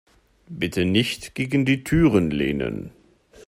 Bitte nicht gegen die Türen lehnen.